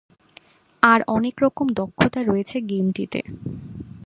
আর অনেক রকম দক্ষতা রয়েছে গেমটিতে।